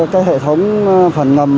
cái hệ thống phần ngầm